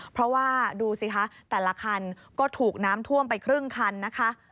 เพราะว่าดูสิคะแต่ละคันก็ถูกน้ำท่วมไปครึ่งคันนะคะ